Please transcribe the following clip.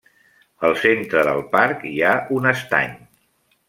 Al centre del parc hi ha un estany.